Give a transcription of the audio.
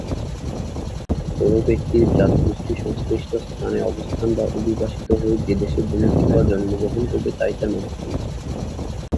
যেমন: কোন ব্যক্তির জাতিগোষ্ঠী সংশ্লিষ্ট স্থানে অবস্থান বা অভিবাসিত হয়ে যে দেশে ভূমিষ্ঠ বা জন্মগ্রহণ করবে, তা-ই তার মাতৃভূমি।